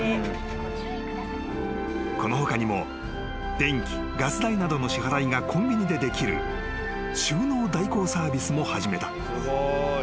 ［この他にも電気ガス代などの支払いがコンビニでできる収納代行サービスも始めた］